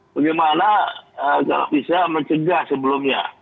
bagaimana kalau bisa mencegah sebelumnya